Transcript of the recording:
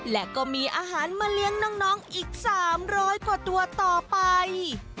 และก็มีอาหารมาเลี้ยงน้องอีก๓๐๐กว่าตัวต่อไป